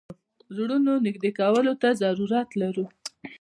زړونو نېږدې کولو ته ضرورت لرو.